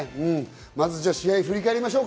まずは試合を振り返りましょう。